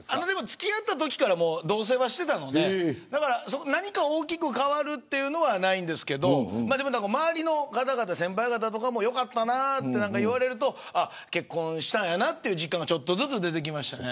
付き合ったときから同せいをしていたので何か大きく変わるというのはないんですけど周りの先輩からもよかったなと言われると結婚したんやなという実感がちょっとずつ出てきました。